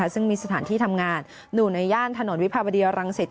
ซึ่งมีสถานที่ทำงานอยู่ในย่านถนนวิภาวดีรังสิต